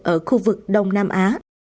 ở khu vực đông nam á